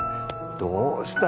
どうした？